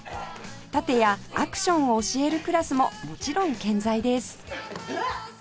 殺陣やアクションを教えるクラスももちろん健在です